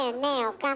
岡村。